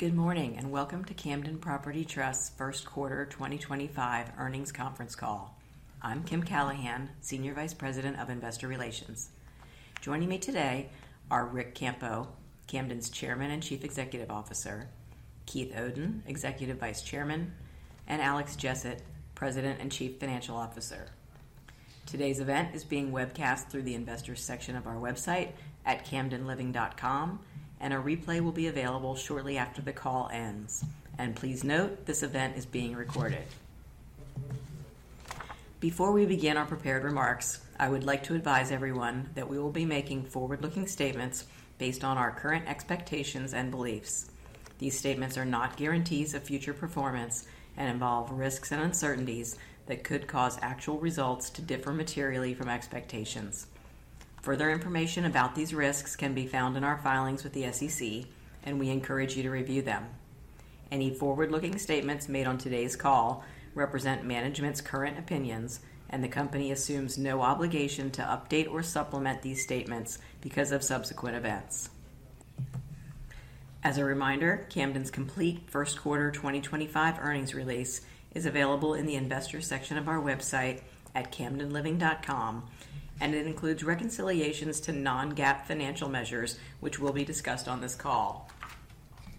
Good morning and welcome to Camden Property Trust's first quarter 2025 earnings conference call. I'm Kim Callahan, Senior Vice President of Investor Relations. Joining me today are Ric Campo, Camden's Chairman and Chief Executive Officer; Keith Oden, Executive Vice Chairman; and Alex Jessett, President and Chief Financial Officer. Today's event is being webcast through the investors' section of our website at camdenliving.com, and a replay will be available shortly after the call ends. Please note this event is being recorded. Before we begin our prepared remarks, I would like to advise everyone that we will be making forward-looking statements based on our current expectations and beliefs. These statements are not guarantees of future performance and involve risks and uncertainties that could cause actual results to differ materially from expectations. Further information about these risks can be found in our filings with the SEC, and we encourage you to review them. Any forward-looking statements made on today's call represent management's current opinions, and the company assumes no obligation to update or supplement these statements because of subsequent events. As a reminder, Camden's complete first quarter 2025 earnings release is available in the investors' section of our website at camdenliving.com, and it includes reconciliations to non-GAAP financial measures, which will be discussed on this call.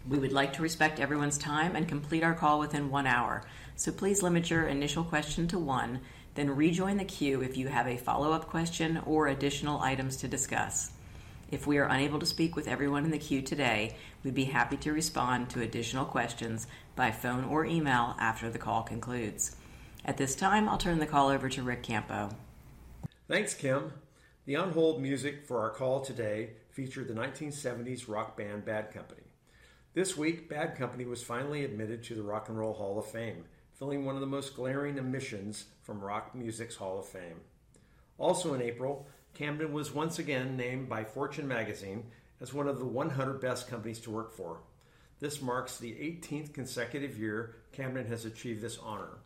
We would like to respect everyone's time and complete our call within one hour, so please limit your initial question to one, then rejoin the queue if you have a follow-up question or additional items to discuss. If we are unable to speak with everyone in the queue today, we'd be happy to respond to additional questions by phone or email after the call concludes. At this time, I'll turn the call over to Ric Campo. Thanks, Kim. The on-hold music for our call today featured the 1970s rock band Bad Company. This week, Bad Company was finally admitted to the Rock and Roll Hall of Fame, filling one of the most glaring omissions from rock music's Hall of Fame. Also in April, Camden was once again named by Fortune Magazine as one of the 100 Best Companies to Work For. This marks the 18th consecutive year Camden has achieved this honor.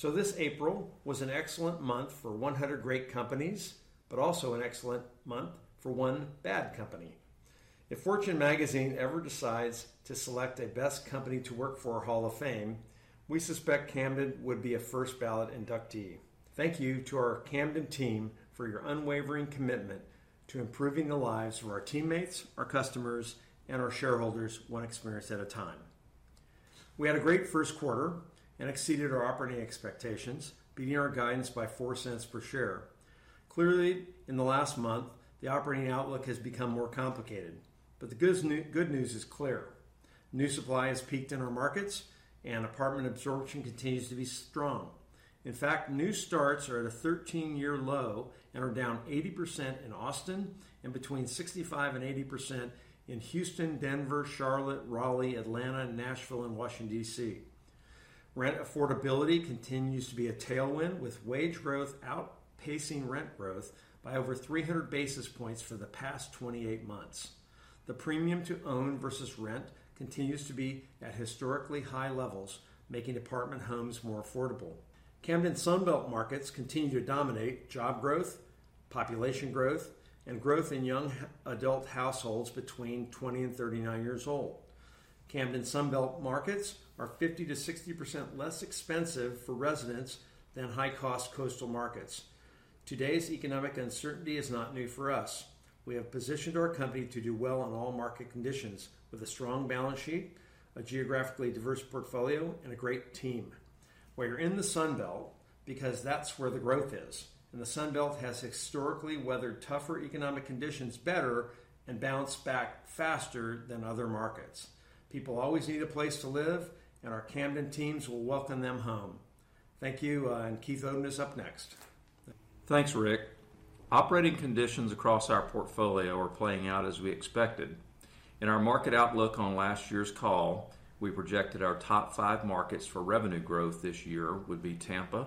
This April was an excellent month for 100 great companies, but also an excellent month for one Bad Company. If Fortune Magazine ever decides to select a best company to work for Hall of Fame, we suspect Camden would be a first ballot inductee. Thank you to our Camden team for your unwavering commitment to improving the lives of our teammates, our customers, and our shareholders one experience at a time. We had a great first quarter and exceeded our operating expectations, beating our guidance by $0.04 per share. Clearly, in the last month, the operating outlook has become more complicated, but the good news is clear. New supply has peaked in our markets, and apartment absorption continues to be strong. In fact, new starts are at a 13-year low and are down 80% in Austin and between 65% and 80% in Houston, Denver, Charlotte, Raleigh, Atlanta, Nashville, and Washington, D.C. Rent affordability continues to be a tailwind, with wage growth outpacing rent growth by over 300 basis points for the past 28 months. The premium to own versus rent continues to be at historically high levels, making apartment homes more affordable. Camden Sunbelt markets continue to dominate job growth, population growth, and growth in young adult households between 20 and 39 years old. Camden Sunbelt markets are 50-60% less expensive for residents than high-cost coastal markets. Today's economic uncertainty is not new for us. We have positioned our company to do well in all market conditions with a strong balance sheet, a geographically diverse portfolio, and a great team. While you're in the Sunbelt, because that's where the growth is, and the Sunbelt has historically weathered tougher economic conditions better and bounced back faster than other markets. People always need a place to live, and our Camden teams will welcome them home. Thank you, and Keith Oden is up next. Thanks, Ric. Operating conditions across our portfolio are playing out as we expected. In our market outlook on last year's call, we projected our top five markets for revenue growth this year would be Tampa,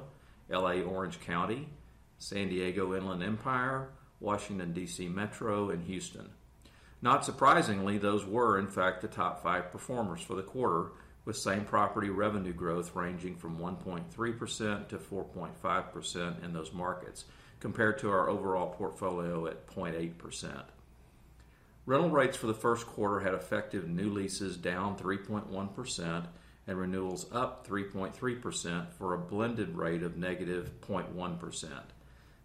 LA Orange County, San Diego Inland Empire, Washington, D.C. Metro, and Houston. Not surprisingly, those were, in fact, the top five performers for the quarter, with same property revenue growth ranging from 1.3%-4.5% in those markets compared to our overall portfolio at 0.8%. Rental rates for the first quarter had effective new leases down 3.1% and renewals up 3.3% for a blended rate of negative 0.1%.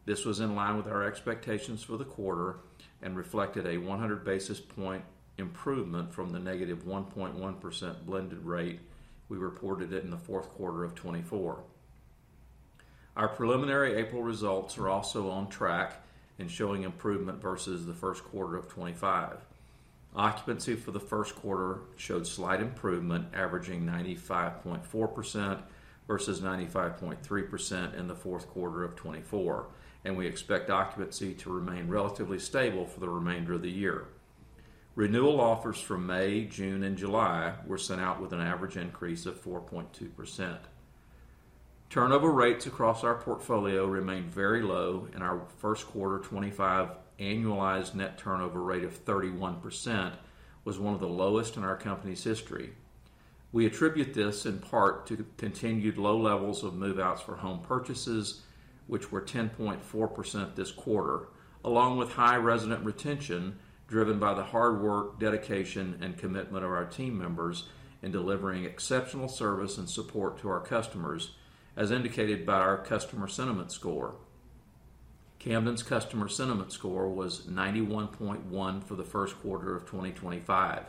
This was in line with our expectations for the quarter and reflected a 100 basis point improvement from the negative 1.1% blended rate we reported in the fourth quarter of 2024. Our preliminary April results are also on track and showing improvement versus the first quarter of 2025. Occupancy for the first quarter showed slight improvement, averaging 95.4% versus 95.3% in the fourth quarter of 2024, and we expect occupancy to remain relatively stable for the remainder of the year. Renewal offers for May, June, and July were sent out with an average increase of 4.2%. Turnover rates across our portfolio remained very low, and our first quarter 2025 annualized net turnover rate of 31% was one of the lowest in our company's history. We attribute this in part to continued low levels of move-outs for home purchases, which were 10.4% this quarter, along with high resident retention driven by the hard work, dedication, and commitment of our team members in delivering exceptional service and support to our customers, as indicated by our customer sentiment score. Camden's customer sentiment score was 91.1 for the first quarter of 2025.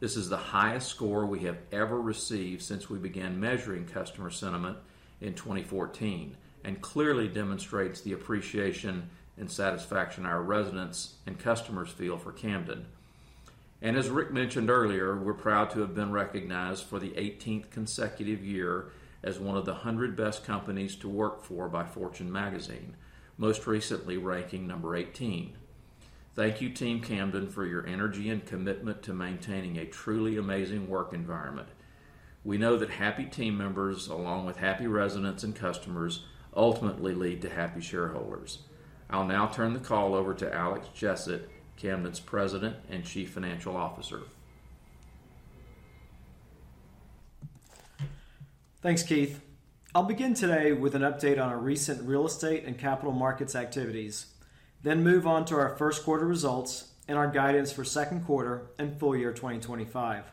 This is the highest score we have ever received since we began measuring customer sentiment in 2014 and clearly demonstrates the appreciation and satisfaction our residents and customers feel for Camden. As Ric mentioned earlier, we're proud to have been recognized for the 18th consecutive year as one of the 100 Best Companies to Work For by Fortune Magazine, most recently ranking number 18. Thank you, Team Camden, for your energy and commitment to maintaining a truly amazing work environment. We know that happy team members, along with happy residents and customers, ultimately lead to happy shareholders. I'll now turn the call over to Alex Jessett, Camden's President and Chief Financial Officer. Thanks, Keith. I'll begin today with an update on our recent real estate and capital markets activities, then move on to our first quarter results and our guidance for second quarter and full year 2025.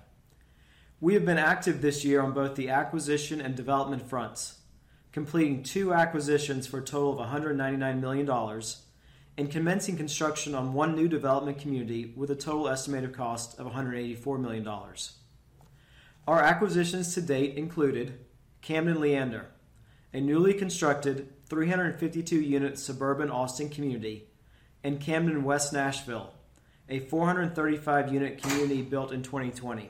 We have been active this year on both the acquisition and development fronts, completing two acquisitions for a total of $199 million and commencing construction on one new development community with a total estimated cost of $184 million. Our acquisitions to date included Camden Leander, a newly constructed 352-unit suburban Austin community, and Camden West Nashville, a 435-unit community built in 2020.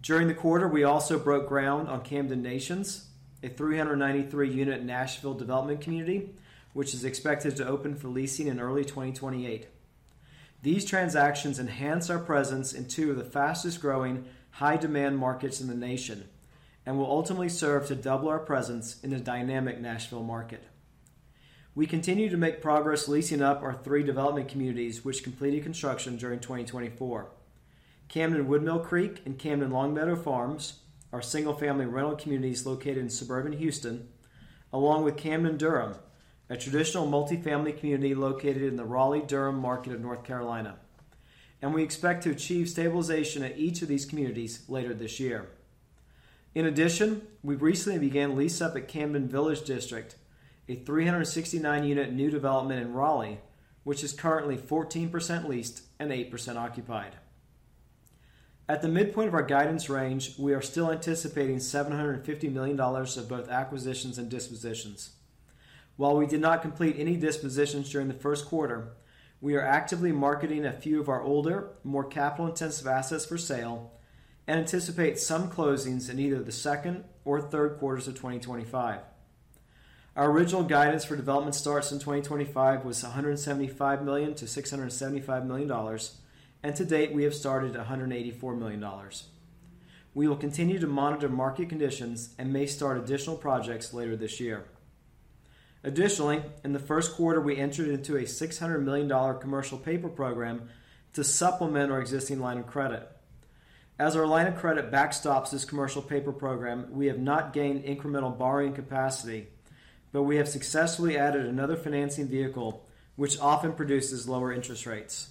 During the quarter, we also broke ground on Camden Nations, a 393-unit Nashville development community, which is expected to open for leasing in early 2028. These transactions enhance our presence in two of the fastest-growing high-demand markets in the nation and will ultimately serve to double our presence in a dynamic Nashville market. We continue to make progress leasing up our three development communities, which completed construction during 2024: Camden Woodmill Creek and Camden Longmeadow Farms, our single-family rental communities located in suburban Houston, along with Camden Durham, a traditional multi-family community located in the Raleigh-Durham market of North Carolina, and we expect to achieve stabilization at each of these communities later this year. In addition, we recently began lease-up at Camden Village District, a 369-unit new development in Raleigh, which is currently 14% leased and 8% occupied. At the midpoint of our guidance range, we are still anticipating $750 million of both acquisitions and dispositions. While we did not complete any dispositions during the first quarter, we are actively marketing a few of our older, more capital-intensive assets for sale and anticipate some closings in either the second or third quarters of 2025. Our original guidance for development starts in 2025 was $175 million-$675 million, and to date, we have started at $184 million. We will continue to monitor market conditions and may start additional projects later this year. Additionally, in the first quarter, we entered into a $600 million commercial paper program to supplement our existing line of credit. As our line of credit backstops this commercial paper program, we have not gained incremental borrowing capacity, but we have successfully added another financing vehicle, which often produces lower interest rates.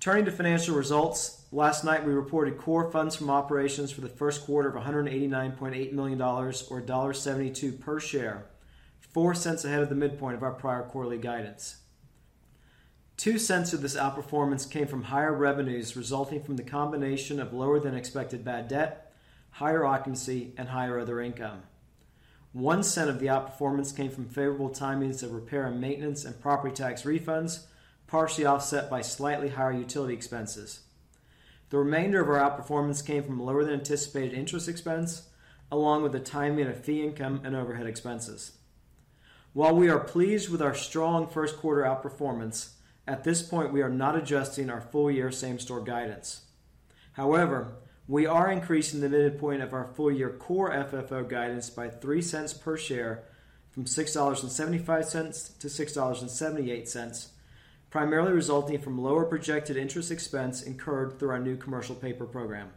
Turning to financial results, last night we reported core funds from operations for the first quarter of $189.8 million, or $1.72 per share, $0.04 ahead of the midpoint of our prior quarterly guidance. $0.02 of this outperformance came from higher revenues resulting from the combination of lower-than-expected bad debt, higher occupancy, and higher other income. $0.01 of the outperformance came from favorable timings of repair and maintenance and property tax refunds, partially offset by slightly higher utility expenses. The remainder of our outperformance came from lower-than-anticipated interest expense, along with the timing of fee income and overhead expenses. While we are pleased with our strong first quarter outperformance, at this point, we are not adjusting our full year same-store guidance. However, we are increasing the midpoint of our full year core FFO guidance by $0.03 per share from $6.75-$6.78, primarily resulting from lower projected interest expense incurred through our new commercial paper program.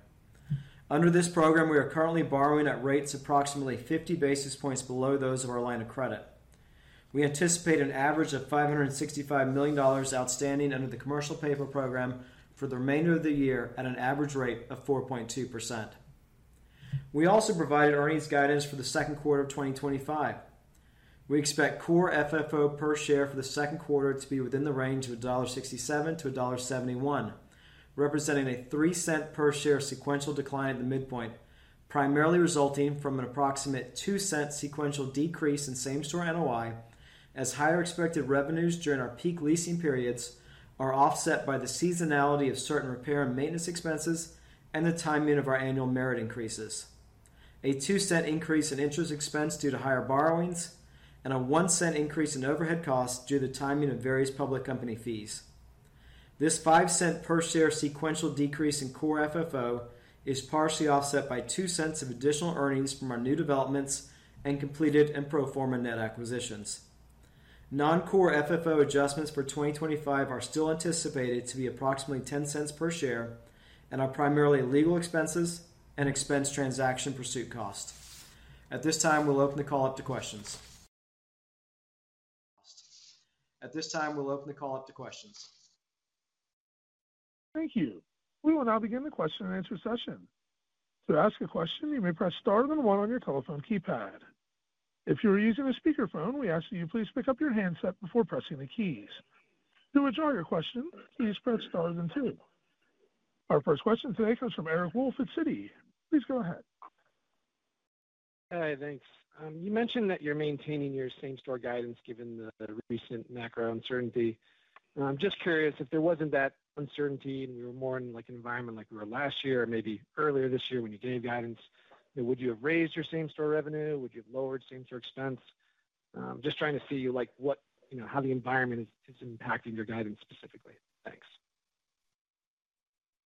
Under this program, we are currently borrowing at rates approximately 50 basis points below those of our line of credit. We anticipate an average of $565 million outstanding under the commercial paper program for the remainder of the year at an average rate of 4.2%. We also provided earnings guidance for the second quarter of 2025. We expect core FFO per share for the second quarter to be within the range of $1.67-$1.71, representing a three-cent per share sequential decline at the midpoint, primarily resulting from an approximate two-cent sequential decrease in same-store NOI, as higher expected revenues during our peak leasing periods are offset by the seasonality of certain repair and maintenance expenses and the timing of our annual merit increases. A $0.02 increase in interest expense due to higher borrowings, and a $0.01 increase in overhead costs due to the timing of various public company fees. This $0.05 per share sequential decrease in core FFO is partially offset by $0.02 of additional earnings from our new developments and completed and pro forma net acquisitions. Non-core FFO adjustments for 2025 are still anticipated to be approximately $0.10 per share and are primarily legal expenses and expensed transaction pursuit costs. At this time, we'll open the call up to questions. Thank you. We will now begin the question and answer session. To ask a question, you may press star then one on your telephone keypad. If you are using a speakerphone, we ask that you please pick up your handset before pressing the keys. To withdraw your question, please press star then two. Our first question today comes from Eric Wolfe at Citi. Please go ahead. Hi, thanks. You mentioned that you're maintaining your same-store guidance given the recent macro uncertainty. I'm just curious, if there wasn't that uncertainty and we were more in an environment like we were last year or maybe earlier this year when you gave guidance, would you have raised your same-store revenue? Would you have lowered same-store expense? Just trying to see how the environment is impacting your guidance specifically. Thanks.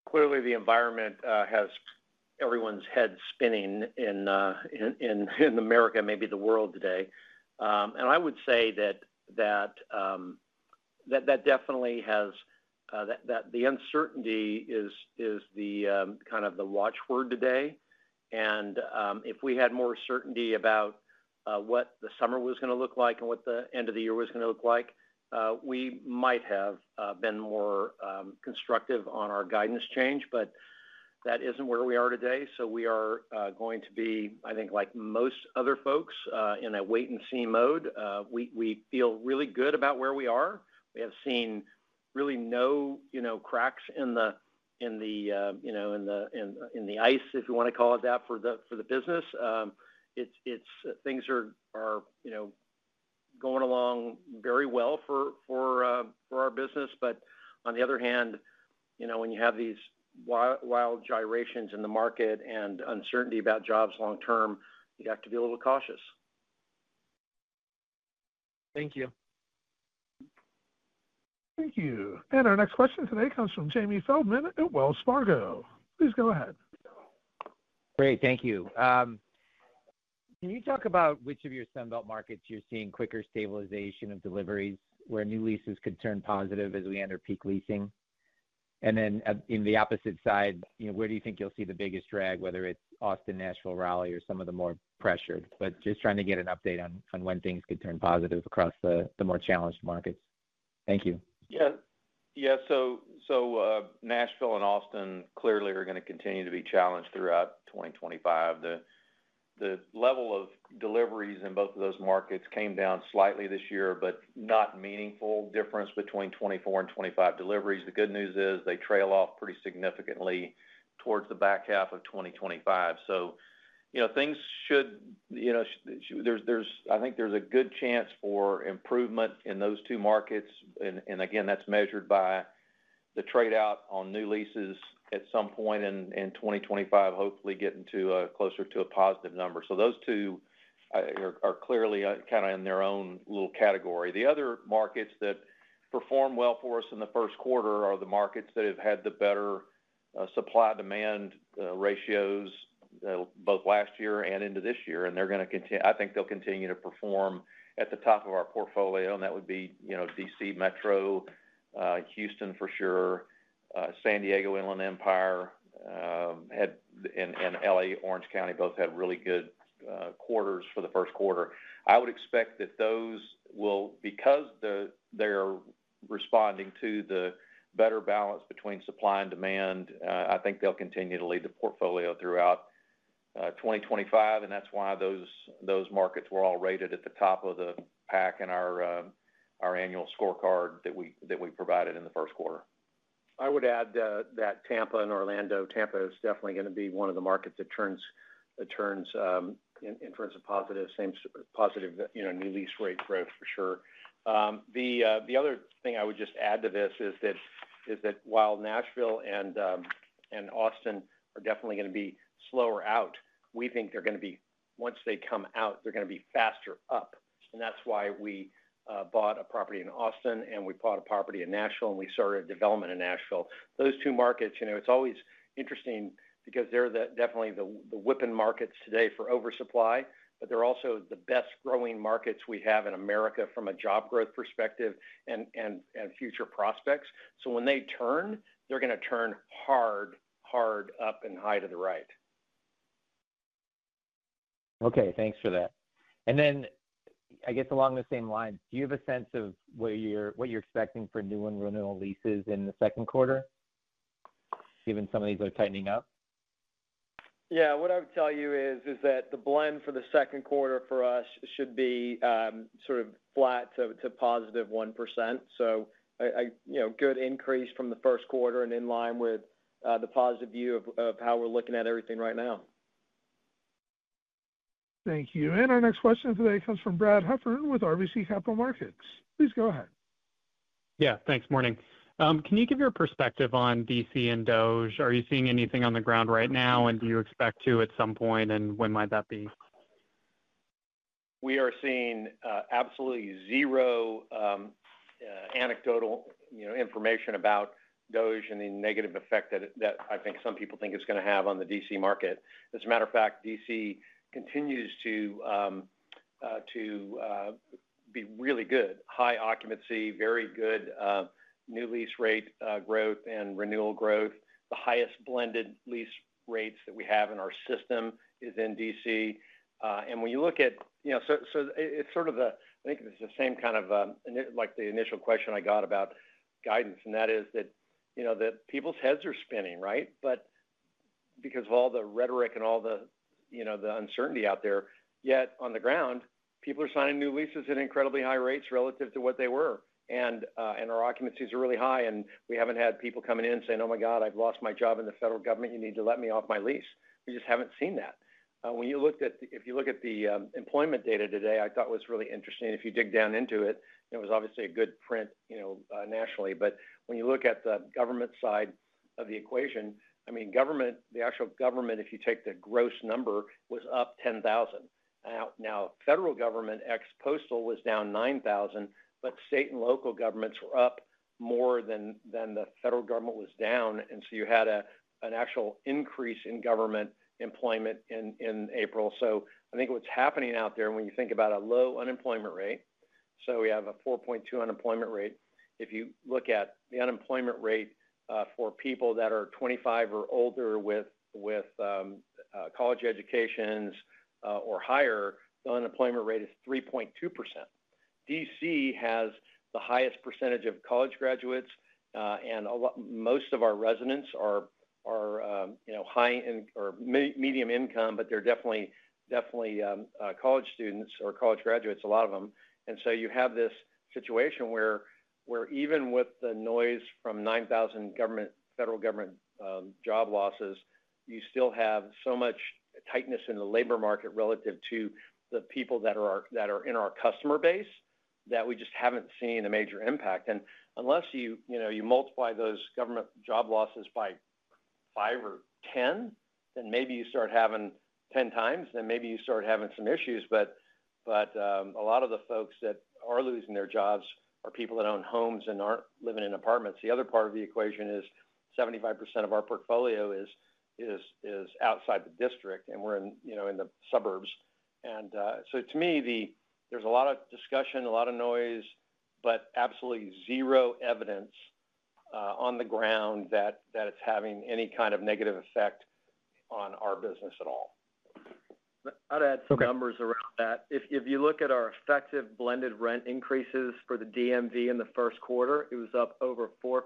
Clearly, the environment has everyone's head spinning in America, maybe the world today. I would say that definitely the uncertainty is kind of the watchword today. If we had more certainty about what the summer was going to look like and what the end of the year was going to look like, we might have been more constructive on our guidance change. That isn't where we are today. We are going to be, I think, like most other folks in a wait-and-see mode. We feel really good about where we are. We have seen really no cracks in the ice, if you want to call it that, for the business. Things are going along very well for our business. On the other hand, when you have these wild gyrations in the market and uncertainty about jobs long-term, you have to be a little cautious. Thank you. Thank you. Our next question today comes from Jamie Feldman at Wells Fargo. Please go ahead. Great. Thank you. Can you talk about which of your Sunbelt markets you're seeing quicker stabilization of deliveries where new leases could turn positive as we enter peak leasing? Then on the opposite side, where do you think you'll see the biggest drag, whether it's Austin, Nashville, Raleigh, or some of the more pressured? Just trying to get an update on when things could turn positive across the more challenged markets. Thank you. Yeah. Yeah. Nashville and Austin clearly are going to continue to be challenged throughout 2025. The level of deliveries in both of those markets came down slightly this year, but not meaningful difference between 2024 and 2025 deliveries. The good news is they trail off pretty significantly towards the back half of 2025. Things should—I think there is a good chance for improvement in those two markets. Again, that is measured by the tradeout on new leases at some point in 2025, hopefully getting closer to a positive number. Those two are clearly kind of in their own little category. The other markets that perform well for us in the first quarter are the markets that have had the better supply-demand ratios both last year and into this year. They are going to continue—I think they will continue to perform at the top of our portfolio. That would be DC Metro, Houston for sure, San Diego Inland Empire, and LA Orange County. Both had really good quarters for the first quarter. I would expect that those will, because they're responding to the better balance between supply and demand, I think they'll continue to lead the portfolio throughout 2025. That is why those markets were all rated at the top of the pack in our annual scorecard that we provided in the first quarter. I would add that Tampa and Orlando, Tampa is definitely going to be one of the markets that turns in terms of positive new lease rate growth for sure. The other thing I would just add to this is that while Nashville and Austin are definitely going to be slower out, we think they're going to be, once they come out, they're going to be faster up. That is why we bought a property in Austin, and we bought a property in Nashville, and we started a development in Nashville. Those two markets, it is always interesting because they are definitely the whipping markets today for oversupply, but they are also the best-growing markets we have in America from a job growth perspective and future prospects. When they turn, they are going to turn hard, hard up and high to the right. Okay. Thanks for that. I guess along the same line, do you have a sense of what you're expecting for new and renewal leases in the second quarter, given some of these are tightening up? Yeah. What I would tell you is that the blend for the second quarter for us should be sort of flat to positive 1%. So a good increase from the first quarter and in line with the positive view of how we're looking at everything right now. Thank you. Our next question today comes from Brad Heffern with RBC Capital Markets. Please go ahead. Yeah. Thanks, morning. Can you give your perspective on D.C. and D.C. Metro? Are you seeing anything on the ground right now, and do you expect to at some point, and when might that be? We are seeing absolutely zero anecdotal information about DOGE and the negative effect that I think some people think it's going to have on the DC market. As a matter of fact, DC continues to be really good. High occupancy, very good new lease rate growth and renewal growth. The highest blended lease rates that we have in our system is in DC. When you look at it, it is sort of the same kind of like the initial question I got about guidance, and that is that people's heads are spinning, right? Because of all the rhetoric and all the uncertainty out there, yet on the ground, people are signing new leases at incredibly high rates relative to what they were. Our occupancies are really high, and we haven't had people coming in saying, "Oh my God, I've lost my job in the federal government. You need to let me off my lease." We just haven't seen that. When you looked at—if you look at the employment data today, I thought it was really interesting. If you dig down into it, it was obviously a good print nationally. If you look at the government side of the equation, I mean, government, the actual government, if you take the gross number, was up 10,000. Now, federal government ex postal was down 9,000, but state and local governments were up more than the federal government was down. You had an actual increase in government employment in April. I think what's happening out there, when you think about a low unemployment rate—we have a 4.2% unemployment rate. If you look at the unemployment rate for people that are 25 or older with college educations or higher, the unemployment rate is 3.2%. DC has the highest percentage of college graduates, and most of our residents are high or medium income, but they're definitely college students or college graduates, a lot of them. You have this situation where even with the noise from 9,000 federal government job losses, you still have so much tightness in the labor market relative to the people that are in our customer base that we just haven't seen a major impact. Unless you multiply those government job losses by 5 or 10, then maybe you start having 10 times, then maybe you start having some issues. A lot of the folks that are losing their jobs are people that own homes and aren't living in apartments. The other part of the equation is 75% of our portfolio is outside the district, and we're in the suburbs. To me, there's a lot of discussion, a lot of noise, but absolutely zero evidence on the ground that it's having any kind of negative effect on our business at all. I'd add some numbers around that. If you look at our effective blended rent increases for the DMV in the first quarter, it was up over 4%.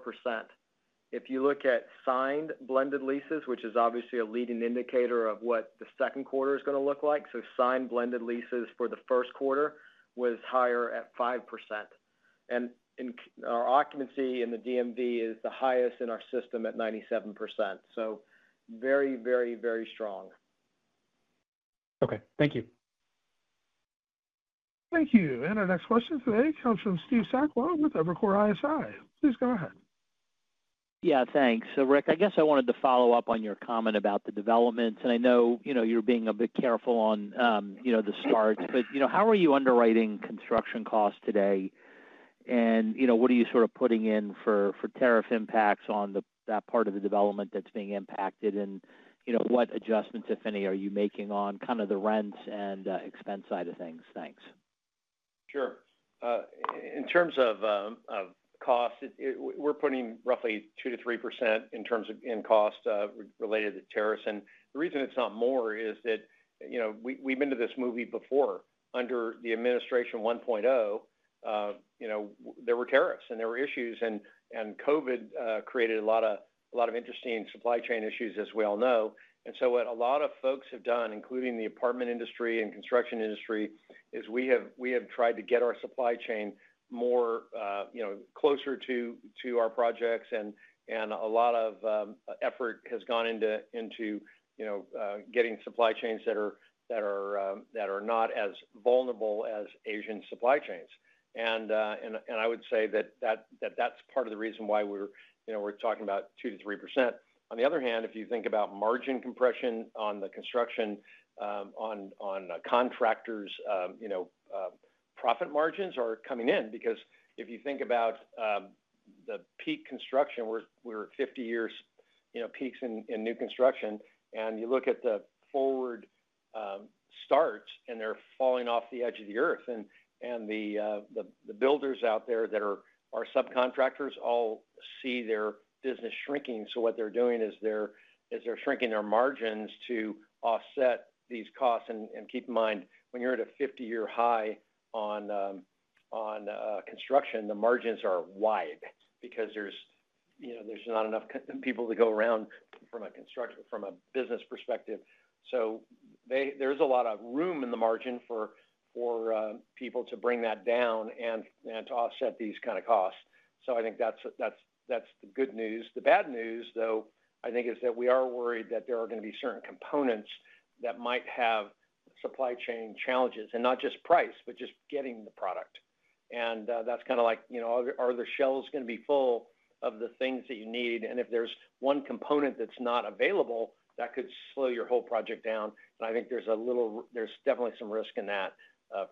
If you look at signed blended leases, which is obviously a leading indicator of what the second quarter is going to look like, signed blended leases for the first quarter was higher at 5%. Our occupancy in the DMV is the highest in our system at 97%. Very, very, very strong. Okay. Thank you. Thank you. Our next question today comes from Steve Sakwa with Evercore ISI. Please go ahead. Yeah. Thanks. Ric, I guess I wanted to follow up on your comment about the developments. I know you're being a bit careful on the starts, but how are you underwriting construction costs today? What are you sort of putting in for tariff impacts on that part of the development that's being impacted? What adjustments, if any, are you making on kind of the rents and expense side of things? Thanks. Sure. In terms of cost, we're putting roughly 2%-3% in cost related to tariffs. The reason it's not more is that we've been to this movie before. Under the administration 1.0, there were tariffs and there were issues. COVID created a lot of interesting supply chain issues, as we all know. What a lot of folks have done, including the apartment industry and construction industry, is we have tried to get our supply chain closer to our projects. A lot of effort has gone into getting supply chains that are not as vulnerable as Asian supply chains. I would say that that's part of the reason why we're talking about 2%-3%. On the other hand, if you think about margin compression on the construction, on contractors, profit margins are coming in. Because if you think about the peak construction, we were at 50-year peaks in new construction. You look at the forward starts, and they're falling off the edge of the earth. The builders out there that are our subcontractors all see their business shrinking. What they're doing is they're shrinking their margins to offset these costs. Keep in mind, when you're at a 50-year high on construction, the margins are wide because there's not enough people to go around from a business perspective. There is a lot of room in the margin for people to bring that down and to offset these kind of costs. I think that's the good news. The bad news, though, I think, is that we are worried that there are going to be certain components that might have supply chain challenges. Not just price, but just getting the product. That's kind of like, are the shelves going to be full of the things that you need? If there's one component that's not available, that could slow your whole project down. I think there's definitely some risk in that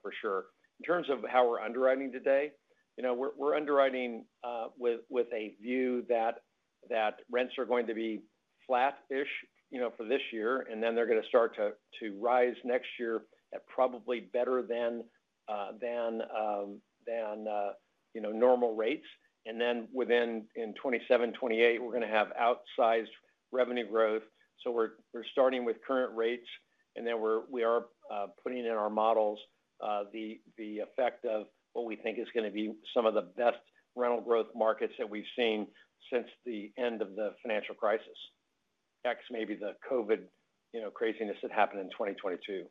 for sure. In terms of how we're underwriting today, we're underwriting with a view that rents are going to be flat-ish for this year. They're going to start to rise next year at probably better than normal rates. Within 2027-2028, we're going to have outsized revenue growth. We're starting with current rates. We are putting in our models the effect of what we think is going to be some of the best rental growth markets that we've seen since the end of the financial crisis, ex maybe the COVID craziness that happened in 2022.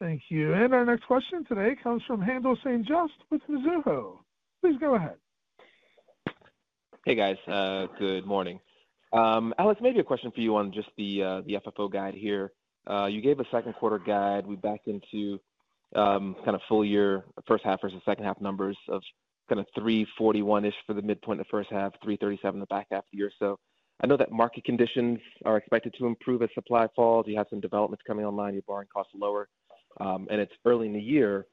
Thank you. Our next question today comes from Haendel St. Juste with Mizuho. Please go ahead. Hey, guys. Good morning. Alex, maybe a question for you on just the FFO guide here. You gave a second quarter guide. We backed into kind of full year, first half versus second half numbers of kind of 341-ish for the midpoint of the first half, 337 in the back half of the year. I know that market conditions are expected to improve as supply falls. You have some developments coming online. Your borrowing costs are lower. It's early in the year.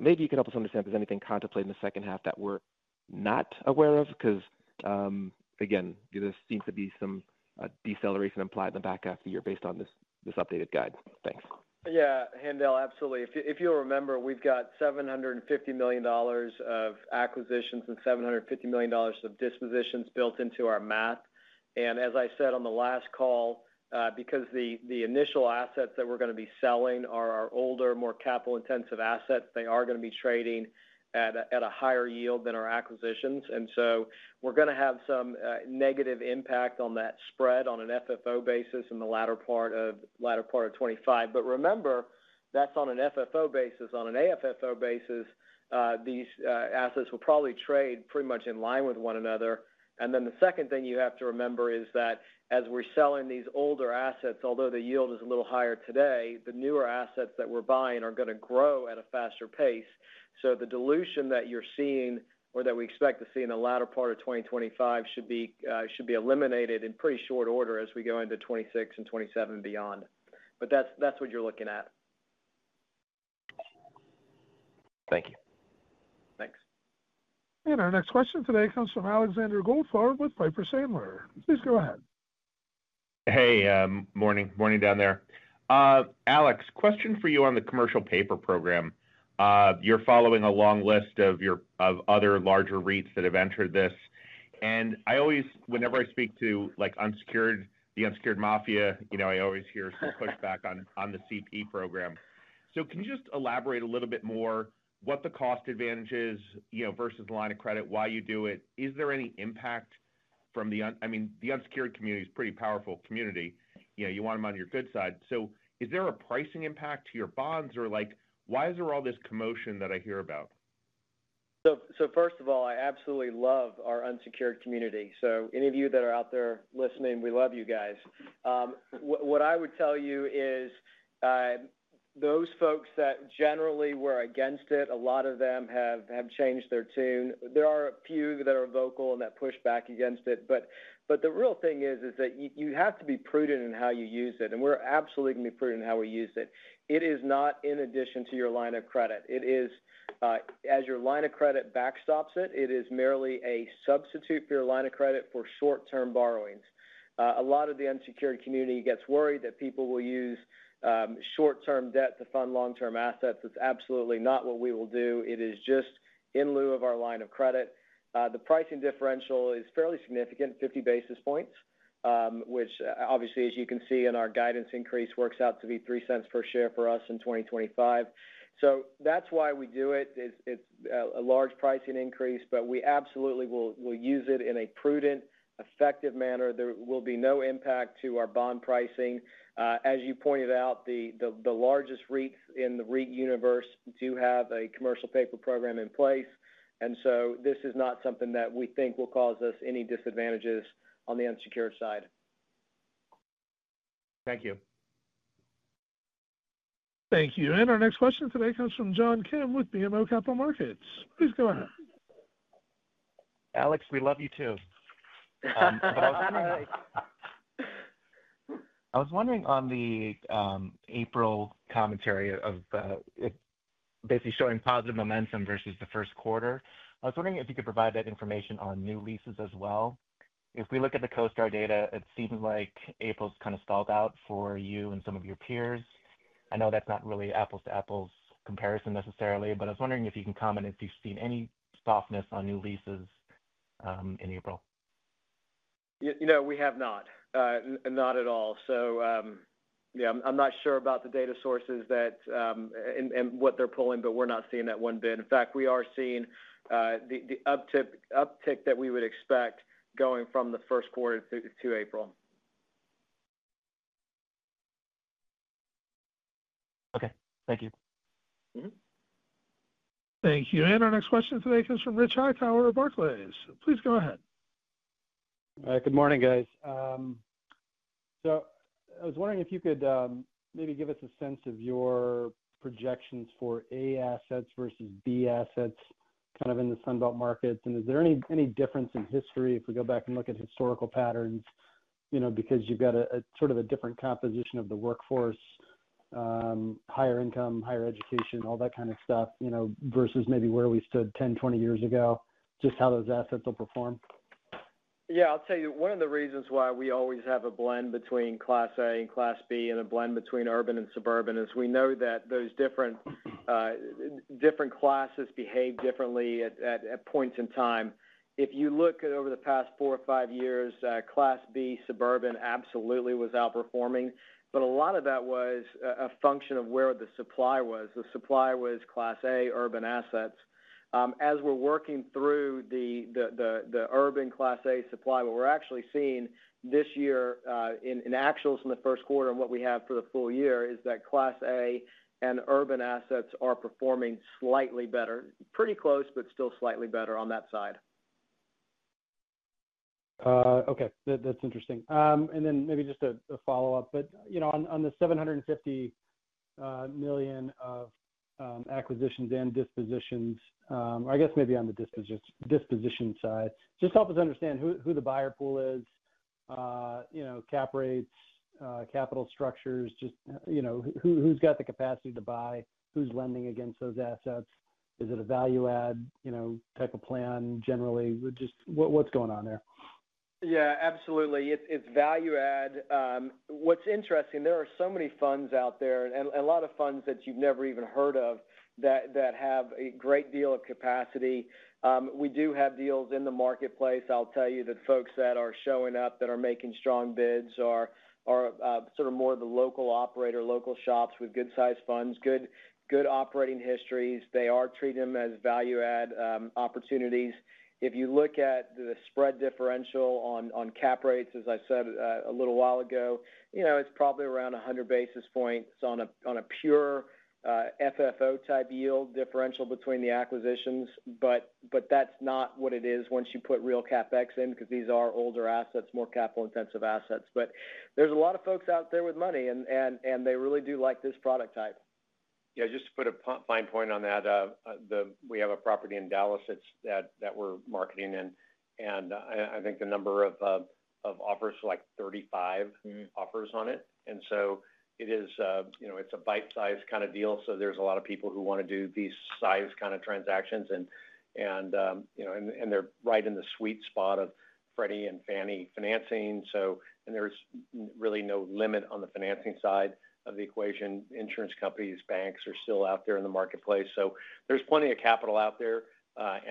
Maybe you can help us understand if there's anything contemplated in the second half that we're not aware of. Again, there seems to be some deceleration implied in the back half of the year based on this updated guide. Thanks. Yeah. Haendel, absolutely. If you'll remember, we've got $750 million of acquisitions and $750 million of dispositions built into our math. As I said on the last call, because the initial assets that we're going to be selling are our older, more capital-intensive assets, they are going to be trading at a higher yield than our acquisitions. We are going to have some negative impact on that spread on an FFO basis in the latter part of 2025. Remember, that's on an FFO basis. On an AFFO basis, these assets will probably trade pretty much in line with one another. The second thing you have to remember is that as we're selling these older assets, although the yield is a little higher today, the newer assets that we're buying are going to grow at a faster pace. The dilution that you're seeing or that we expect to see in the latter part of 2025 should be eliminated in pretty short order as we go into 2026 and 2027 and beyond. That's what you're looking at. Thank you. Thanks. Our next question today comes from Alexander Goldfarb with Piper Sandler. Please go ahead. Hey. Morning. Morning down there. Alex, question for you on the commercial paper program. You're following a long list of other larger REITs that have entered this. Whenever I speak to the unsecured mafia, I always hear some pushback on the CP program. Can you just elaborate a little bit more? What the cost advantage is versus the line of credit, why you do it? Is there any impact from the—I mean, the unsecured community is a pretty powerful community. You want them on your good side. Is there a pricing impact to your bonds? Why is there all this commotion that I hear about? First of all, I absolutely love our unsecured community. Any of you that are out there listening, we love you guys. What I would tell you is those folks that generally were against it, a lot of them have changed their tune. There are a few that are vocal and that push back against it. The real thing is that you have to be prudent in how you use it. We are absolutely going to be prudent in how we use it. It is not in addition to your line of credit. As your line of credit backstops it, it is merely a substitute for your line of credit for short-term borrowings. A lot of the unsecured community gets worried that people will use short-term debt to fund long-term assets. That is absolutely not what we will do. It is just in lieu of our line of credit. The pricing differential is fairly significant, 50 basis points, which obviously, as you can see in our guidance increase, works out to be $0.03 per share for us in 2025. That is why we do it. It is a large pricing increase, but we absolutely will use it in a prudent, effective manner. There will be no impact to our bond pricing. As you pointed out, the largest REITs in the REIT universe do have a commercial paper program in place. This is not something that we think will cause us any disadvantages on the unsecured side. Thank you. Thank you. Our next question today comes from John Kim with BMO Capital Markets. Please go ahead. Alex, we love you too. I was wondering on the April commentary of basically showing positive momentum versus the first quarter, I was wondering if you could provide that information on new leases as well. If we look at the CoStar data, it seems like April's kind of stalled out for you and some of your peers. I know that's not really apples-to-apples comparison necessarily, but I was wondering if you can comment if you've seen any softness on new leases in April. We have not. Not at all. Yeah, I'm not sure about the data sources and what they're pulling, but we're not seeing that one bit. In fact, we are seeing the uptick that we would expect going from the first quarter to April. Okay. Thank you. Thank you. Our next question today comes from Rich Hightower of Barclays. Please go ahead. Good morning, guys. I was wondering if you could maybe give us a sense of your projections for A assets versus B assets kind of in the Sunbelt markets. Is there any difference in history if we go back and look at historical patterns? Because you've got sort of a different composition of the workforce, higher income, higher education, all that kind of stuff versus maybe where we stood 10, 20 years ago, just how those assets will perform. Yeah. I'll tell you, one of the reasons why we always have a blend between Class A and Class B and a blend between urban and suburban is we know that those different classes behave differently at points in time. If you look at over the past four or five years, Class B suburban absolutely was outperforming. A lot of that was a function of where the supply was. The supply was Class A urban assets. As we're working through the urban Class A supply, what we're actually seeing this year in actuals in the first quarter and what we have for the full year is that Class A and urban assets are performing slightly better. Pretty close, but still slightly better on that side. Okay. That's interesting. Maybe just a follow-up. On the $750 million of acquisitions and dispositions, I guess maybe on the disposition side, just help us understand who the buyer pool is, cap rates, capital structures, just who's got the capacity to buy, who's lending against those assets. Is it a value-add type of plan generally? What's going on there? Yeah. Absolutely. It's value-add. What's interesting, there are so many funds out there and a lot of funds that you've never even heard of that have a great deal of capacity. We do have deals in the marketplace. I'll tell you that folks that are showing up that are making strong bids are sort of more of the local operator, local shops with good-sized funds, good operating histories. They are treating them as value-add opportunities. If you look at the spread differential on cap rates, as I said a little while ago, it's probably around 100 basis points on a pure FFO-type yield differential between the acquisitions. That's not what it is once you put real CapEx in because these are older assets, more capital-intensive assets. There are a lot of folks out there with money, and they really do like this product type. Yeah. Just to put a fine point on that, we have a property in Dallas that we're marketing in. I think the number of offers is like 35 offers on it. It is a bite-sized kind of deal. There are a lot of people who want to do these size kind of transactions. They are right in the sweet spot of Freddie and Fannie financing. There is really no limit on the financing side of the equation. Insurance companies, banks are still out there in the marketplace. There is plenty of capital out there. As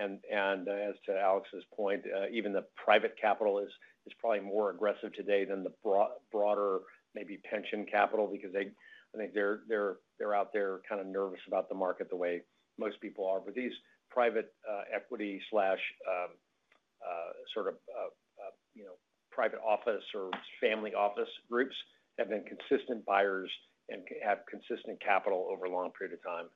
to Alex's point, even the private capital is probably more aggressive today than the broader maybe pension capital because I think they are out there kind of nervous about the market the way most people are. These private equity, sort of private office or family office groups have been consistent buyers and have consistent capital over a long period of time.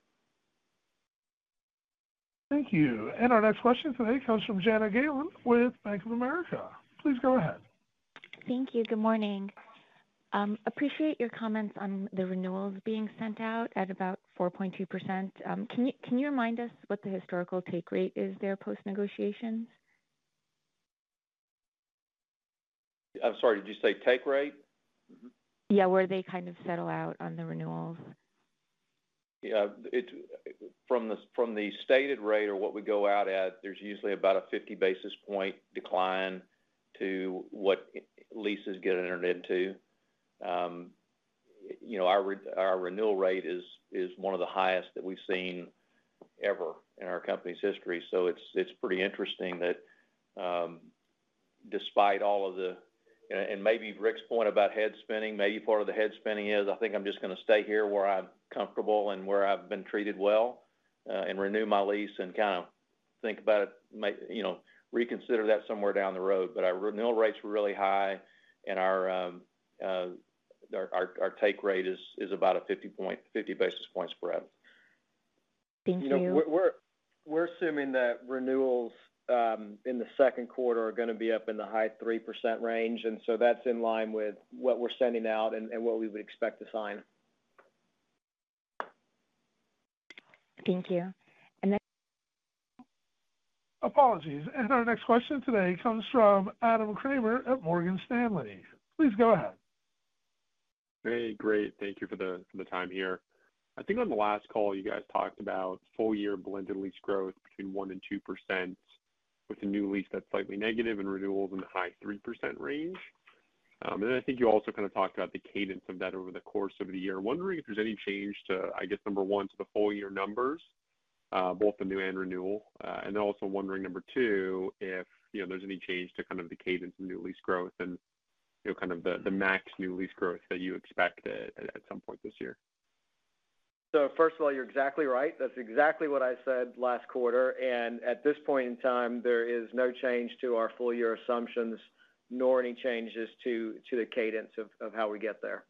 Thank you. Our next question today comes from Joanna Gajuk with Bank of America. Please go ahead. Thank you. Good morning. Appreciate your comments on the renewals being sent out at about 4.2%. Can you remind us what the historical take rate is there post-negotiation? I'm sorry. Did you say take rate? Yeah. Where they kind of settle out on the renewals. Yeah. From the stated rate or what we go out at, there is usually about a 50 basis point decline to what leases get entered into. Our renewal rate is one of the highest that we have seen ever in our company's history. It is pretty interesting that despite all of the—and maybe Ric's point about head spinning, maybe part of the head spinning is I think I am just going to stay here where I am comfortable and where I have been treated well and renew my lease and kind of think about it, reconsider that somewhere down the road. Our renewal rates were really high, and our take rate is about a 50 basis point spread. Thank you. We're assuming that renewals in the second quarter are going to be up in the high 3% range. That is in line with what we're sending out and what we would expect to sign. Thank you. Apologies. Our next question today comes from Adam Kramer at Morgan Stanley. Please go ahead. Hey. Great. Thank you for the time here. I think on the last call, you guys talked about full-year blended lease growth between 1%-2% with a new lease that's slightly negative and renewals in the high 3% range. I think you also kind of talked about the cadence of that over the course of the year. I'm wondering if there's any change to, I guess, number one, to the full-year numbers, both the new and renewal. I'm also wondering, number two, if there's any change to kind of the cadence of new lease growth and kind of the max new lease growth that you expect at some point this year. First of all, you're exactly right. That's exactly what I said last quarter. At this point in time, there is no change to our full-year assumptions nor any changes to the cadence of how we get there.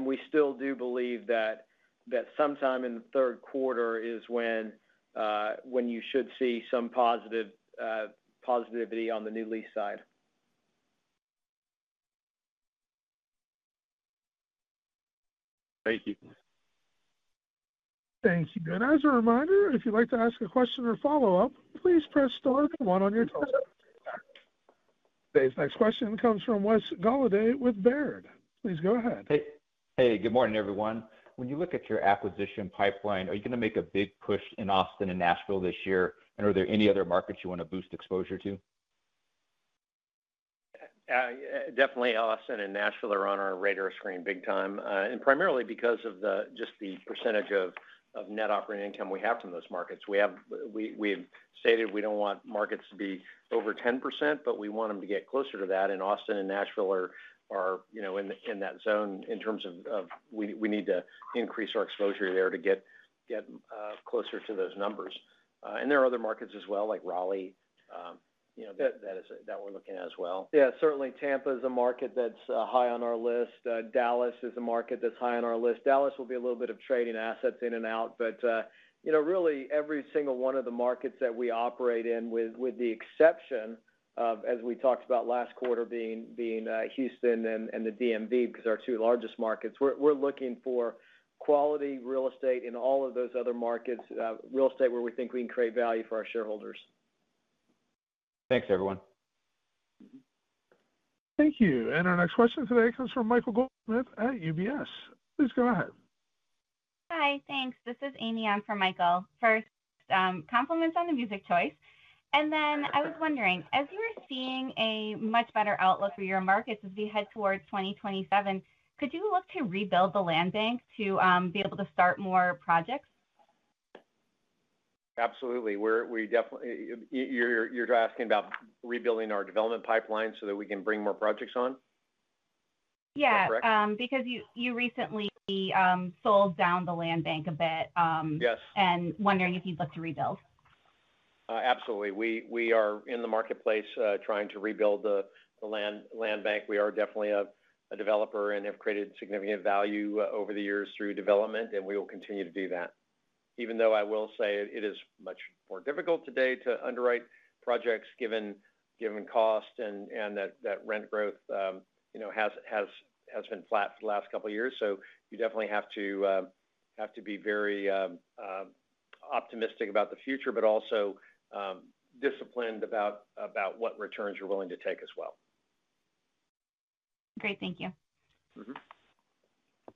We still do believe that sometime in the third quarter is when you should see some positivity on the new lease side. Thank you. Thank you. As a reminder, if you'd like to ask a question or follow-up, please press star and one on your telephone. Today's next question comes from Wes Golladay with Baird. Please go ahead. Hey. Good morning, everyone. When you look at your acquisition pipeline, are you going to make a big push in Austin and Nashville this year? Are there any other markets you want to boost exposure to? Definitely, Austin and Nashville are on our radar screen big time. Primarily because of just the percentage of net operating income we have from those markets. We have stated we do not want markets to be over 10%, but we want them to get closer to that. Austin and Nashville are in that zone in terms of we need to increase our exposure there to get closer to those numbers. There are other markets as well, like Raleigh, that we are looking at as well. Yeah. Certainly, Tampa is a market that's high on our list. Dallas is a market that's high on our list. Dallas will be a little bit of trading assets in and out. Really, every single one of the markets that we operate in, with the exception of, as we talked about last quarter, being Houston and the DMV, because they're our two largest markets, we're looking for quality real estate in all of those other markets, real estate where we think we can create value for our shareholders. Thanks, everyone. Thank you. Our next question today comes from Michael Goldsmith at UBS. Please go ahead. Hi. Thanks. This is Amy An for Michael. First, compliments on the music choice. I was wondering, as you are seeing a much better outlook for your markets as we head towards 2027, could you look to rebuild the land bank to be able to start more projects? Absolutely. You're asking about rebuilding our development pipeline so that we can bring more projects on? Yeah. Because you recently sold down the land bank a bit and wondering if you'd look to rebuild. Absolutely. We are in the marketplace trying to rebuild the land bank. We are definitely a developer and have created significant value over the years through development, and we will continue to do that. Even though I will say it is much more difficult today to underwrite projects given cost and that rent growth has been flat for the last couple of years. You definitely have to be very optimistic about the future, but also disciplined about what returns you're willing to take as well. Great. Thank you.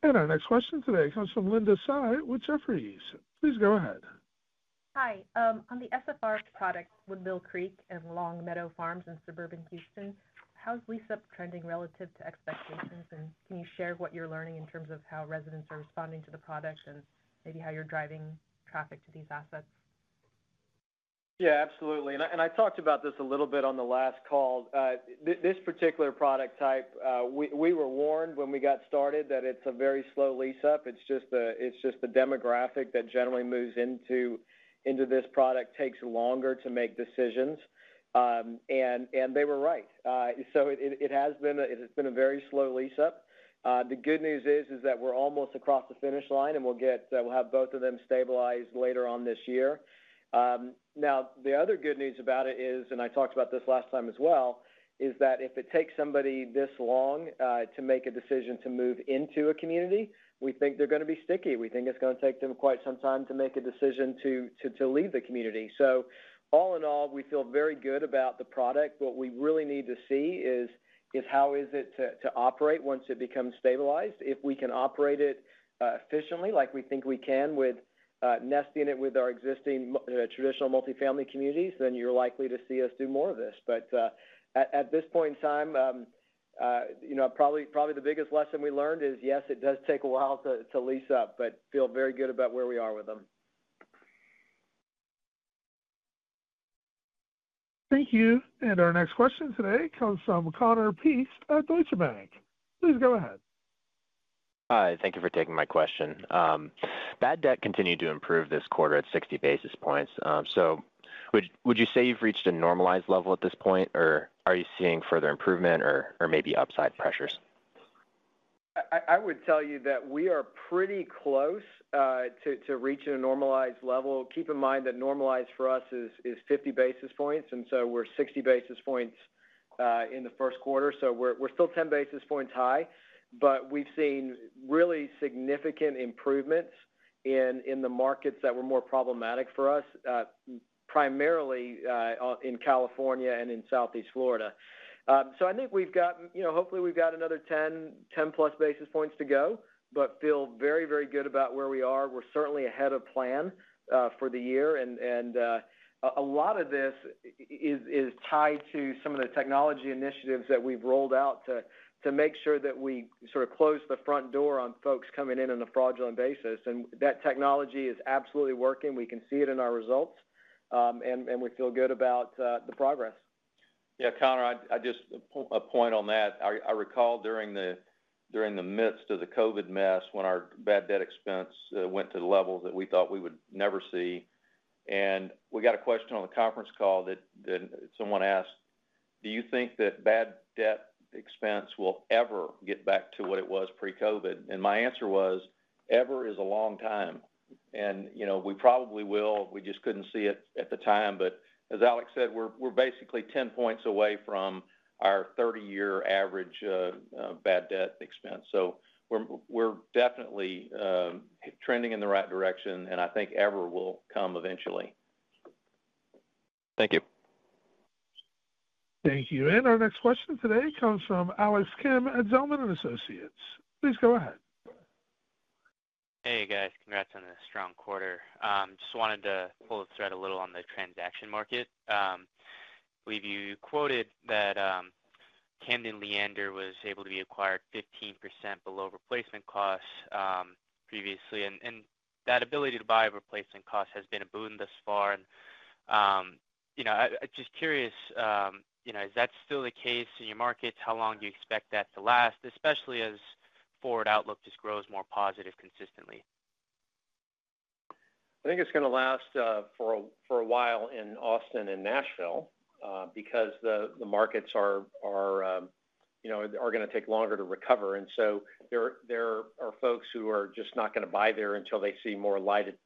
Our next question today comes from Linda Tsai with Jefferies. Please go ahead. Hi. On the SFR product with Woodmill Creek and Longmeadow Farms in suburban Houston, how's lease up trending relative to expectations? Can you share what you're learning in terms of how residents are responding to the product and maybe how you're driving traffic to these assets? Yeah. Absolutely. I talked about this a little bit on the last call. This particular product type, we were warned when we got started that it's a very slow lease up. It's just the demographic that generally moves into this product takes longer to make decisions. They were right. It has been a very slow lease up. The good news is that we're almost across the finish line, and we'll have both of them stabilize later on this year. The other good news about it is, I talked about this last time as well, if it takes somebody this long to make a decision to move into a community, we think they're going to be sticky. We think it's going to take them quite some time to make a decision to leave the community. All in all, we feel very good about the product. What we really need to see is how is it to operate once it becomes stabilized. If we can operate it efficiently like we think we can with nesting it with our existing traditional multifamily communities, then you're likely to see us do more of this. At this point in time, probably the biggest lesson we learned is, yes, it does take a while to lease up, but feel very good about where we are with them. Thank you. Our next question today comes from Connor Peace at Deutsche Bank. Please go ahead. Hi. Thank you for taking my question. Bad debt continued to improve this quarter at 60 basis points. Would you say you've reached a normalized level at this point, or are you seeing further improvement or maybe upside pressures? I would tell you that we are pretty close to reaching a normalized level. Keep in mind that normalized for us is 50 basis points. We are 60 basis points in the first quarter, so we are still 10 basis points high. We have seen really significant improvements in the markets that were more problematic for us, primarily in California and in Southeast Florida. I think we have, hopefully, another 10-plus basis points to go, but feel very, very good about where we are. We are certainly ahead of plan for the year. A lot of this is tied to some of the technology initiatives that we have rolled out to make sure that we sort of close the front door on folks coming in on a fraudulent basis. That technology is absolutely working. We can see it in our results, and we feel good about the progress. Yeah. Connor, just a point on that. I recall during the midst of the COVID mess when our bad debt expense went to levels that we thought we would never see. We got a question on the conference call that someone asked, "Do you think that bad debt expense will ever get back to what it was pre-COVID?" My answer was, "Ever is a long time." We probably will. We just could not see it at the time. As Alex said, we are basically 10 points away from our 30-year average bad debt expense. We are definitely trending in the right direction, and I think ever will come eventually. Thank you. Thank you. Our next question today comes from Alex Kim at Zelman & Associates. Please go ahead. Hey, guys. Congrats on the strong quarter. Just wanted to pull the thread a little on the transaction market. I believe you quoted that Camden Leander was able to be acquired 15% below replacement costs previously. That ability to buy below replacement costs has been a boon thus far. I'm just curious, is that still the case in your markets? How long do you expect that to last, especially as forward outlook just grows more positive consistently? I think it's going to last for a while in Austin and Nashville because the markets are going to take longer to recover. There are folks who are just not going to buy there until they see more light at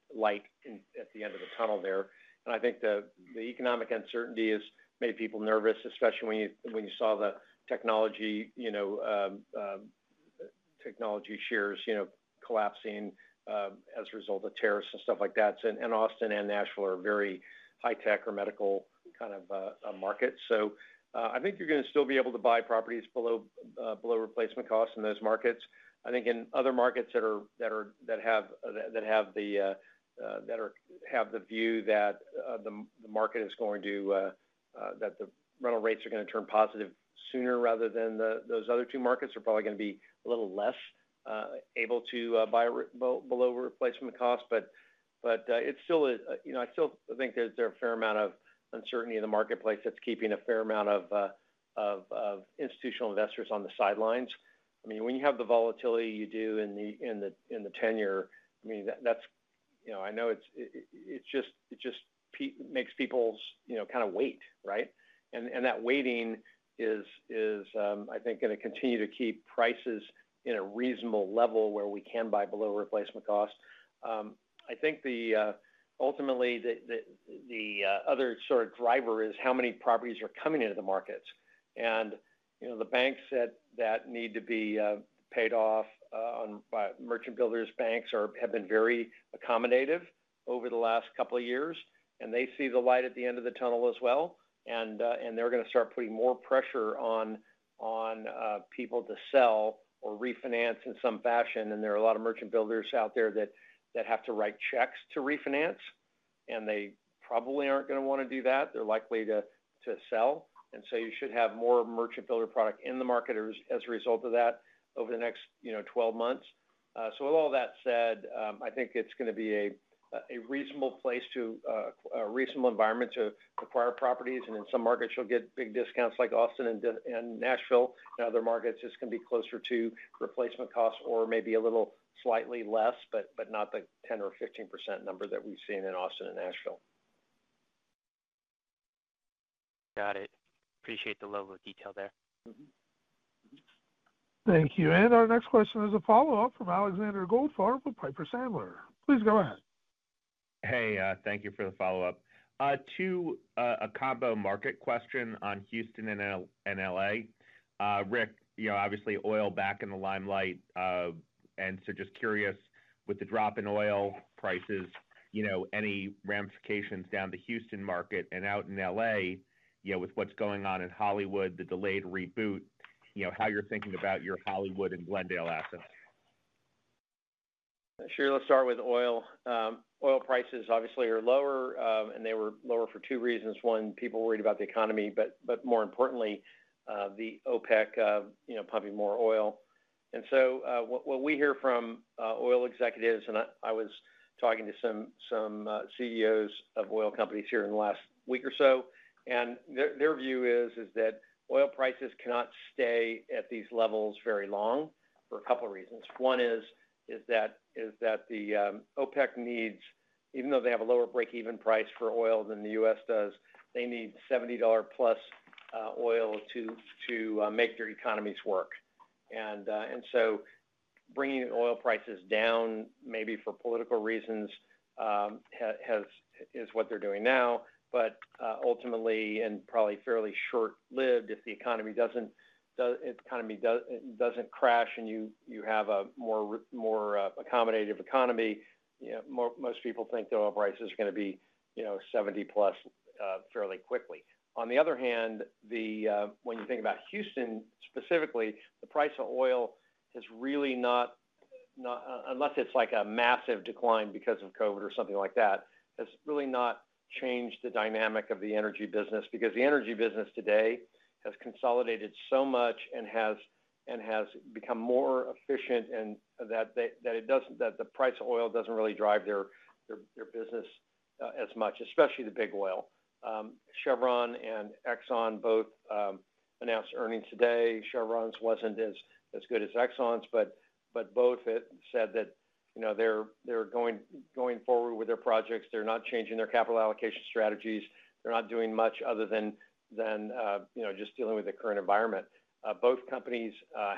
the end of the tunnel there. I think the economic uncertainty has made people nervous, especially when you saw the technology shares collapsing as a result of tariffs and stuff like that. Austin and Nashville are very high-tech or medical kind of markets. I think you're going to still be able to buy properties below replacement costs in those markets. I think in other markets that have the view that the market is going to, that the rental rates are going to turn positive sooner rather than those other two markets, are probably going to be a little less able to buy below replacement costs. I still think there's a fair amount of uncertainty in the marketplace that's keeping a fair amount of institutional investors on the sidelines. I mean, when you have the volatility you do in the ten-year, I mean, I know it just makes people kind of wait, right? That waiting is, I think, going to continue to keep prices in a reasonable level where we can buy below replacement costs. I think ultimately the other sort of driver is how many properties are coming into the markets. The banks that need to be paid off by merchant builders, banks have been very accommodative over the last couple of years. They see the light at the end of the tunnel as well. They're going to start putting more pressure on people to sell or refinance in some fashion. There are a lot of merchant builders out there that have to write checks to refinance. They probably aren't going to want to do that. They're likely to sell. You should have more merchant builder product in the market as a result of that over the next 12 months. With all that said, I think it's going to be a reasonable environment to acquire properties. In some markets, you'll get big discounts like Austin and Nashville. In other markets, it's going to be closer to replacement costs or maybe a little slightly less, but not the 10% or 15% number that we've seen in Austin and Nashville. Got it. Appreciate the level of detail there. Thank you. Our next question is a follow-up from Alexander Goldfarb with Piper Sandler. Please go ahead. Hey. Thank you for the follow-up. To a combo market question on Houston and LA. Ric, obviously, oil back in the limelight. And so just curious, with the drop in oil prices, any ramifications down the Houston market and out in LA with what's going on in Hollywood, the delayed reboot, how you're thinking about your Hollywood and Glendale assets? Sure. Let's start with oil. Oil prices obviously are lower, and they were lower for two reasons. One, people worried about the economy, but more importantly, the OPEC pumping more oil. What we hear from oil executives, and I was talking to some CEOs of oil companies here in the last week or so, and their view is that oil prices cannot stay at these levels very long for a couple of reasons. One is that the OPEC needs, even though they have a lower break-even price for oil than the U.S. does, they need $70-plus oil to make their economies work. Bringing oil prices down maybe for political reasons is what they're doing now. Ultimately, and probably fairly short-lived, if the economy doesn't crash and you have a more accommodative economy, most people think that oil prices are going to be $70-plus fairly quickly. On the other hand, when you think about Houston specifically, the price of oil has really not, unless it's like a massive decline because of COVID or something like that, has really not changed the dynamic of the energy business because the energy business today has consolidated so much and has become more efficient that the price of oil doesn't really drive their business as much, especially the Big Oil. Chevron and Exxon both announced earnings today. Chevron's wasn't as good as Exxon's, but both said that they're going forward with their projects. They're not changing their capital allocation strategies. They're not doing much other than just dealing with the current environment. Both companies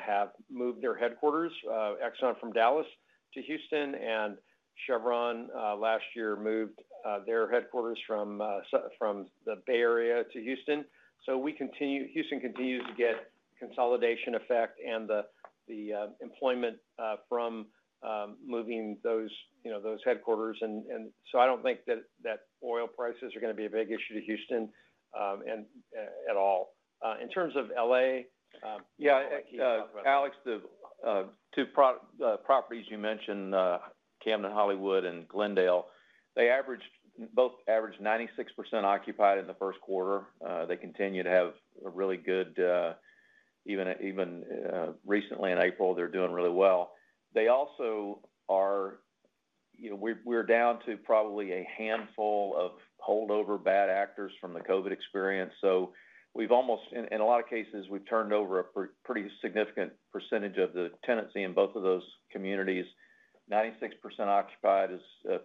have moved their headquarters, Exxon from Dallas to Houston, and Chevron last year moved their headquarters from the Bay Area to Houston. Houston continues to get consolidation effect and the employment from moving those headquarters. I don't think that oil prices are going to be a big issue to Houston at all. In terms of LA, yeah. Alex, the two properties you mentioned, Camden Hollywood and Glendale, they both averaged 96% occupied in the first quarter. They continue to have a really good, even recently in April, they're doing really well. They also are, we're down to probably a handful of holdover bad actors from the COVID experience. In a lot of cases, we've turned over a pretty significant percentage of the tenancy in both of those communities. 96% occupied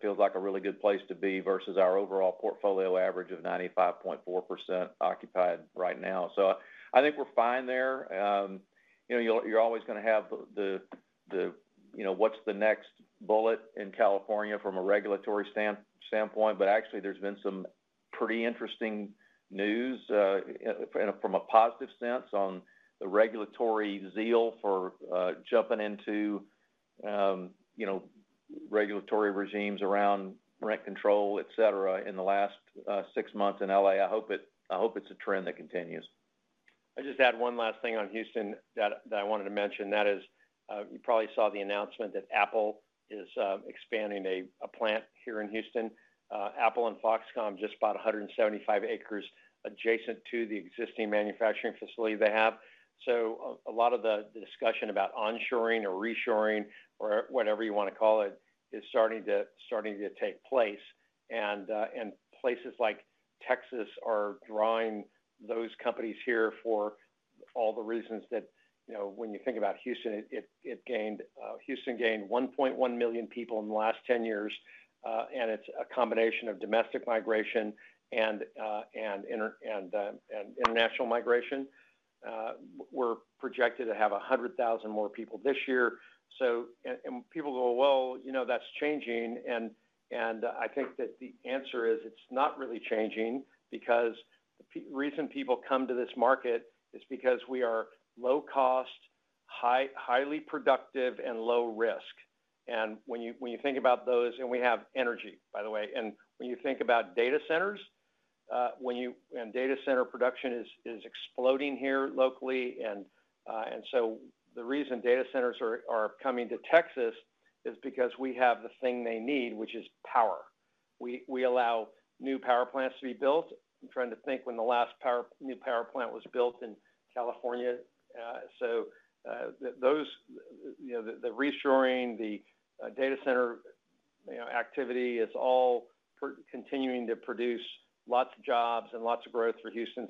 feels like a really good place to be versus our overall portfolio average of 95.4% occupied right now. I think we're fine there. You're always going to have the what's the next bullet in California from a regulatory standpoint. Actually, there's been some pretty interesting news from a positive sense on the regulatory zeal for jumping into regulatory regimes around rent control, etc., in the last six months in LA. I hope it's a trend that continues. I just add one last thing on Houston that I wanted to mention. That is, you probably saw the announcement that Apple is expanding a plant here in Houston. Apple and Foxconn just bought 175 acres adjacent to the existing manufacturing facility they have. A lot of the discussion about onshoring or reshoring or whatever you want to call it is starting to take place. Places like Texas are drawing those companies here for all the reasons that when you think about Houston, Houston gained 1.1 million people in the last 10 years. It's a combination of domestic migration and international migration. We're projected to have 100,000 more people this year. People go, "Well, that's changing." I think that the answer is it's not really changing because the reason people come to this market is because we are low-cost, highly productive, and low-risk. When you think about those, and we have energy, by the way. When you think about data centers, and data center production is exploding here locally. The reason data centers are coming to Texas is because we have the thing they need, which is power. We allow new power plants to be built. I'm trying to think when the last new power plant was built in California. The reshoring, the data center activity is all continuing to produce lots of jobs and lots of growth for Houston.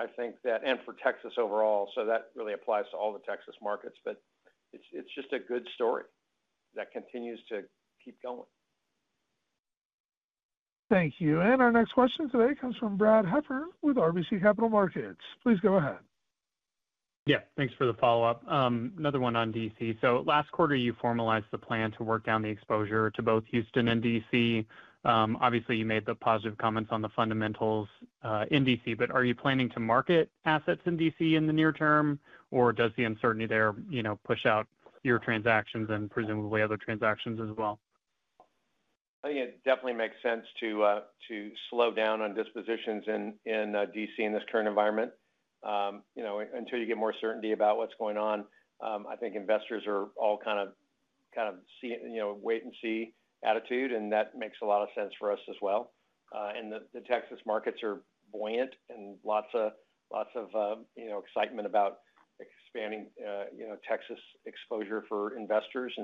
I think that, and for Texas overall. That really applies to all the Texas markets. But it's just a good story that continues to keep going. Thank you. Our next question today comes from Brad Heffern with RBC Capital Markets. Please go ahead. Yeah. Thanks for the follow-up. Another one on DC. Last quarter, you formalized the plan to work down the exposure to both Houston and DC. Obviously, you made the positive comments on the fundamentals in DC. Are you planning to market assets in DC in the near term, or does the uncertainty there push out your transactions and presumably other transactions as well? I think it definitely makes sense to slow down on dispositions in DC in this current environment until you get more certainty about what's going on. I think investors are all kind of wait-and-see attitude. That makes a lot of sense for us as well. The Texas markets are buoyant and lots of excitement about expanding Texas exposure for investors.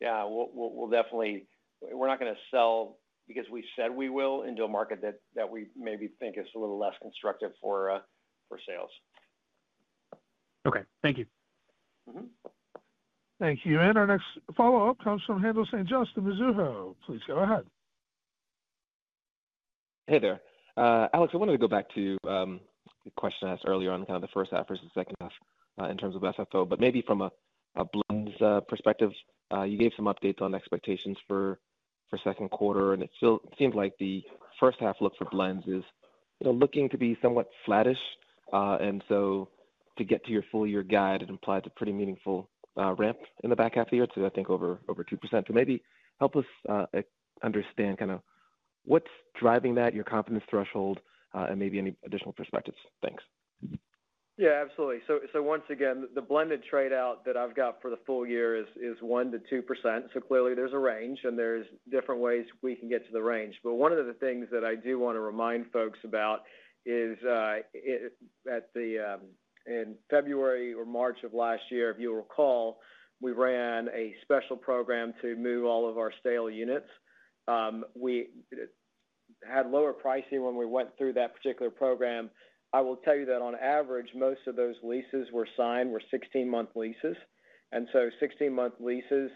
Yeah, we'll definitely, we're not going to sell because we said we will into a market that we maybe think is a little less constructive for sales. Okay. Thank you. Thank you. Our next follow-up comes from Haendel St. Juste at Mizuho. Please go ahead. Hey there. Alex, I wanted to go back to the question asked earlier on kind of the first half versus the second half in terms of FFO. But maybe from a blends perspective, you gave some updates on expectations for second quarter. It still seems like the first half look for blends is looking to be somewhat flattish. To get to your full-year guide, it implies a pretty meaningful ramp in the back half of the year to, I think, over 2%. Maybe help us understand kind of what's driving that, your confidence threshold, and maybe any additional perspectives. Thanks. Yeah, absolutely. Once again, the blended tradeout that I've got for the full year is 1-2%. Clearly, there's a range, and there are different ways we can get to the range. One of the things that I do want to remind folks about is that in February or March of last year, if you'll recall, we ran a special program to move all of our stale units. We had lower pricing when we went through that particular program. I will tell you that on average, most of those leases that were signed were 16-month leases. Sixteen-month leases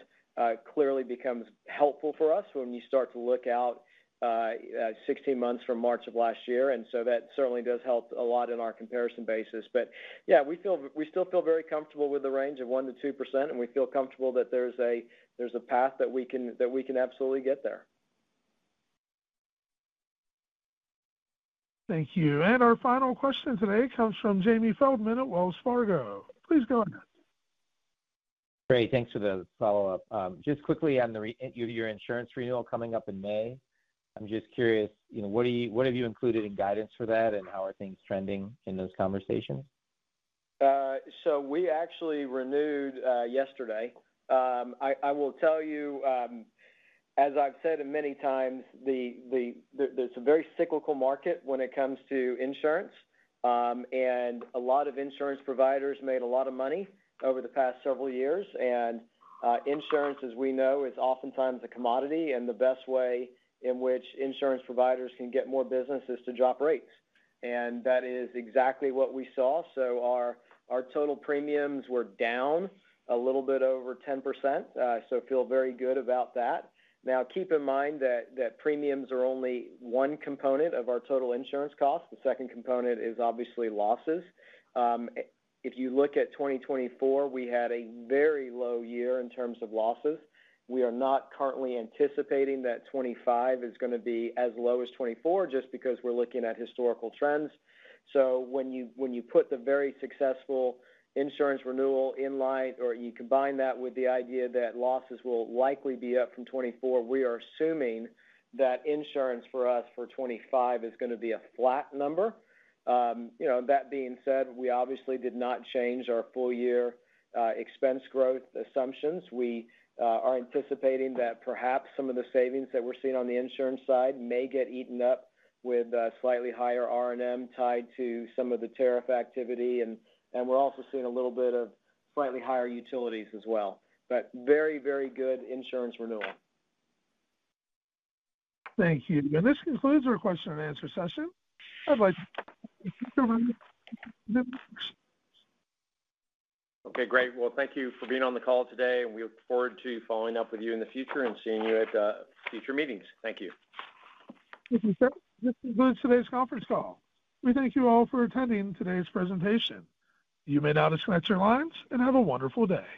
clearly become helpful for us when you start to look out 16 months from March of last year. That certainly does help a lot in our comparison basis. We still feel very comfortable with the range of 1-2%. We feel comfortable that there's a path that we can absolutely get there. Thank you. Our final question today comes from Jamie Feldman at Wells Fargo. Please go ahead. Great. Thanks for the follow-up. Just quickly on your insurance renewal coming up in May, I'm just curious, what have you included in guidance for that, and how are things trending in those conversations? We actually renewed yesterday. I will tell you, as I've said many times, it's a very cyclical market when it comes to insurance. A lot of insurance providers made a lot of money over the past several years. Insurance, as we know, is oftentimes a commodity. The best way in which insurance providers can get more business is to drop rates. That is exactly what we saw. Our total premiums were down a little bit over 10%. I feel very good about that. Now, keep in mind that premiums are only one component of our total insurance cost. The second component is obviously losses. If you look at 2024, we had a very low year in terms of losses. We are not currently anticipating that 2025 is going to be as low as 2024 just because we're looking at historical trends. When you put the very successful insurance renewal in light, or you combine that with the idea that losses will likely be up from 2024, we are assuming that insurance for us for 2025 is going to be a flat number. That being said, we obviously did not change our full-year expense growth assumptions. We are anticipating that perhaps some of the savings that we're seeing on the insurance side may get eaten up with slightly higher R&M tied to some of the tariff activity. We are also seeing a little bit of slightly higher utilities as well. Very, very good insurance renewal. Thank you. This concludes our question-and-answer session. I'd like to. [inaudible] Great. Thank you for being on the call today. We look forward to following up with you in the future and seeing you at future meetings. Thank you. Thank you, sir. This concludes today's conference call. We thank you all for attending today's presentation. You may now disconnect your lines and have a wonderful day.